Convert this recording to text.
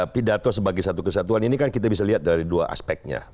pidato sebagai satu kesatuan ini kan kita bisa lihat dari dua aspeknya